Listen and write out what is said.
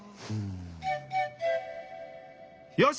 よし！